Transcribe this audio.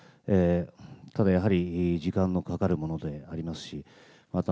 ただやはり、時間のかかるものでありますし、また、